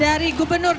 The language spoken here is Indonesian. dan kita akan membuka